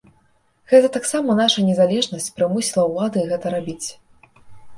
Гэта таксама наша незалежнасць прымусіла ўлады гэта рабіць.